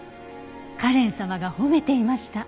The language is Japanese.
カレン様が褒めていました。